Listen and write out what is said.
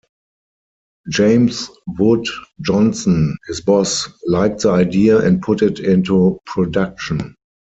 James Wood Johnson, his boss, liked the idea, and put it into production.